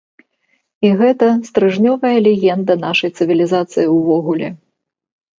І гэта стрыжнёвая легенда нашай цывілізацыі ўвогуле.